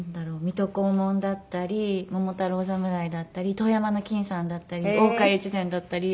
『水戸黄門』だったり『桃太郎侍』だったり『遠山の金さん』だったり『大岡越前』だったり。